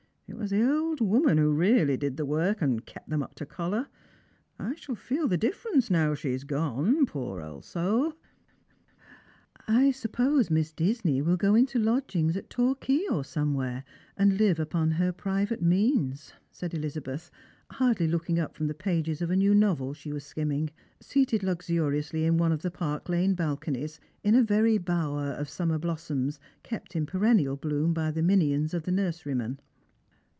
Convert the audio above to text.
It was the old woman who really did the work, and kept them up to collar. I shall feel the difference now she's gone, poor old soul!" " I suppose Miss Disney will go into lodgings at Torquay or somewhere, and live upon her private means," said Elizabeth, hardly looking up from the pages of a new novel she was skim ming, seated luxuriously in one of the Park lane balconies, in a very bower of summer blossoms, kept in perennial bloom by the minions of the nurseryman.